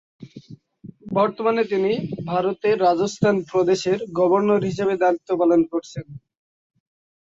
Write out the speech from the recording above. বর্তমানে তিনি ভারতের রাজস্থান প্রদেশের গভর্নর হিসেবে দায়িত্ব পালন করছেন।